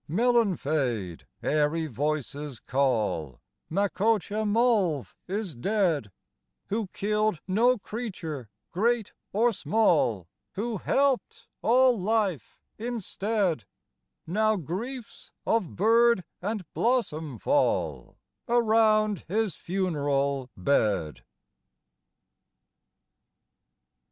"Maelanfaid," airy voices call, "MacOcha Molv is dead, Who killed no creature great or small, Who helped all life instead: Now griefs of bird and blossom fall Around his funeral bed."